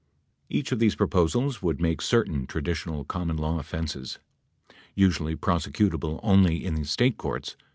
Each of these proposals would make certain traditional common law offenses, usually prosecutable only in the State courts.